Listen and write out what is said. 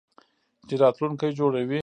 چې راتلونکی جوړوي.